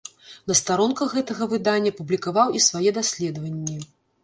На старонках гэтага выдання публікаваў і свае даследаванні.